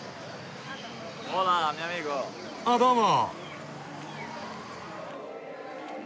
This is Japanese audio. あっどうも！